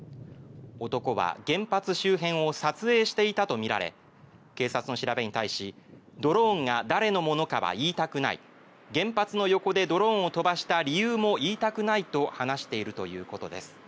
男は原発周辺を撮影していたとみられ警察の調べに対しドローンが誰のものかは言いたくない原発の横でドローンを飛ばした理由も言いたくないと話しているということです。